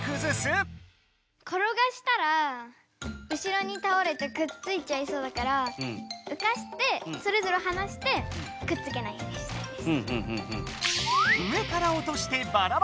ころがしたら後ろにたおれてくっついちゃいそうだからうかしてそれぞれをはなしてくっつけないようにしたいです。